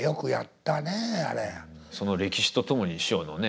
その歴史とともに師匠のね